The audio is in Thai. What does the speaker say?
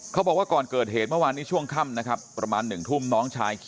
บอกว่าก่อนเกิดเหตุเมื่อวานนี้ช่วงค่ำนะครับประมาณ๑ทุ่มน้องชายขี่